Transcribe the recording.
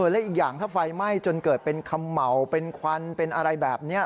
และอีกอย่างถ้าไฟไหม้จนเกิดเป็นเขม่าเป็นควันเป็นอะไรแบบนี้